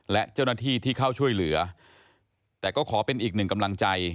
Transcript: และเจ้าหน้าที่ที่เข้าช่วยเหลือแต่ก็ขอเป็นอีกหนึ่งกำลังใจ